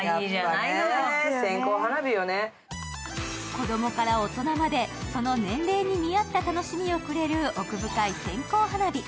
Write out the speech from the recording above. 子供から大人まで、その年齢に見合った楽しみをくれる奥深い線香花火。